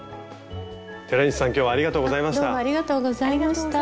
寺西さん今日はありがとうございました。